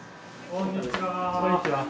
こんにちは。